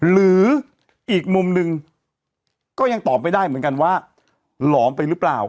หรืออีกมุมหนึ่งก็ยังตอบไม่ได้เหมือนกันว่าหลอมไปหรือเปล่า